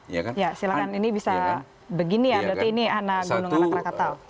ya silahkan ini bisa begini ya berarti ini anak gunung anak rakatau